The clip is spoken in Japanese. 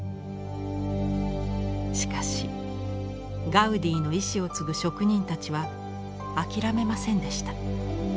しかしガウディの遺志を継ぐ職人たちは諦めませんでした。